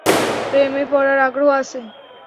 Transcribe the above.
প্রেমে পড়ার আগ্রহ আছে?